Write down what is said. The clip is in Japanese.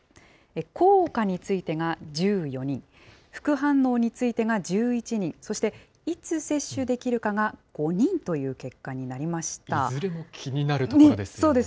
効果についてが１４人、副反応についてが１１人、そして、いつ接種できるかが５人という結果にないずれも気になるところです